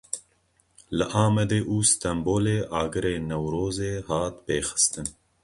Li Amedê û Stenbolê agirê Newrozê hat pêxistin.